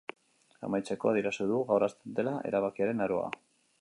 Amaitzeko, adierazi du gaur hasten dela erabakiaren aroa.